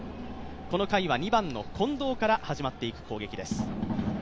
この回は２番の近藤から始まっていく攻撃です。